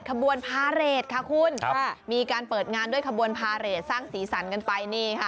ขบวนพาเรทค่ะคุณค่ะมีการเปิดงานด้วยขบวนพาเรทสร้างสีสันกันไปนี่ค่ะ